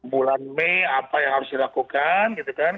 bulan mei apa yang harus dilakukan